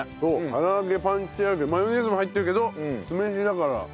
唐揚げパンチあるけどマヨネーズも入ってるけど酢飯だから。